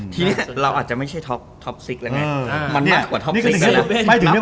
ทีนี้เราอาจจะไม่ใช่ท็อปซิคละนะ